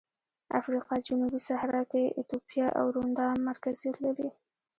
افریقا جنوبي صحرا کې ایتوپیا او روندا مرکزیت لري.